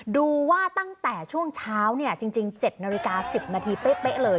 ดูว่าตั้งแต่ช่วงเช้าจริง๗นาฬิกา๑๐นาทีเป๊ะเลย